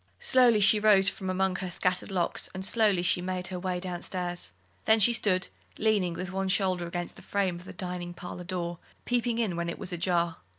Slowly she rose from among her scattered locks, and slowly she made her way down stairs. Then she stood leaning with one shoulder against the frame of the dining parlour door, peeping in when it was ajar.